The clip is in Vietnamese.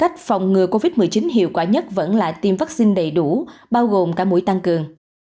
còn người covid một mươi chín hiệu quả nhất vẫn là tiêm vắc xin đầy đủ bao gồm cả mũi tăng cường